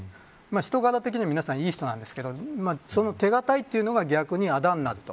人柄的には皆さんいい人ですけど手堅いというのが逆にあだになると。